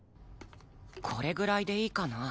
これぐらいでいいかな？